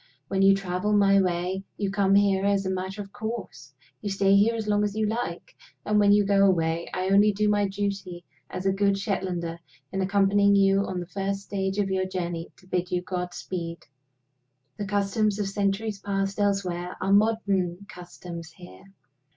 When you travel my way, you come here as a matter of course; you stay here as long as you like; and, when you go away, I only do my duty as a good Shetlander in accompanying you on the first stage of your journey to bid you godspeed. The customs of centuries past elsewhere are modern customs here.